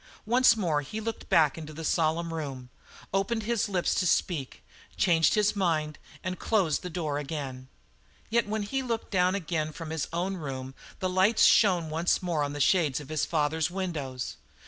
Once more he looked back into the solemn room, opened his lips to speak, changed his mind, and closed the door again. Yet when he looked down again from his own room the lights shone once more on the shades of his father's windows.